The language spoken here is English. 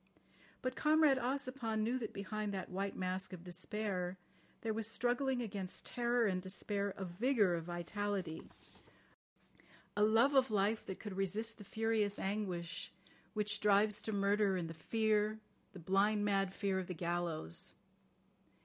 But Comrade Ossipon knew that behind that white mask of despair there was struggling against terror and despair a vigour of vitality, a love of life that could resist the furious anguish which drives to murder and the fear, the blind, mad fear of the gallows.